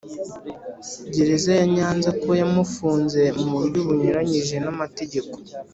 Gereza ya Nyanza ko yamufunze mu buryo bunyuranyije n amategeko